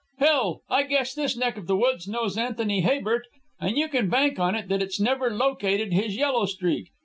"Hell! I guess this neck of the woods knows Anthony Habert, and you can bank on it that it's never located his yellow streak.